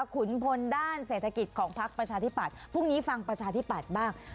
ขุนพลด้านเศรษฐกิจของพักประชาธิปัตย์พรุ่งนี้ฟังประชาธิปัตย์บ้าง